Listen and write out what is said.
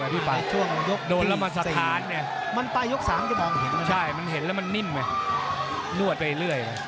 ในช่วงยกที่๔มันไปยก๓มันมันเห็นแล้วมันนิ่มไว้นวดไปเรื่อย